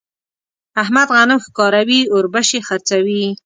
احمد غنم ښکاروي ـ اوربشې خرڅوي.